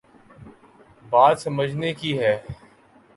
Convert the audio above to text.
بات سمجھنے کی ہے۔